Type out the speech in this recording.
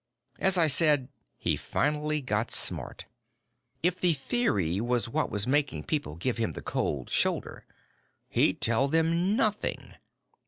"As I said, he finally got smart. If the theory was what was making people give him the cold shoulder, he'd tell them nothing.